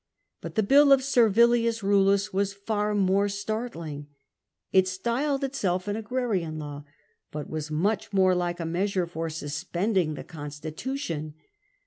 But the bill of Servilius Eullus was far more startling ; it styled itself an Agrarian Law, but was much more like a measure for suspending the constitution.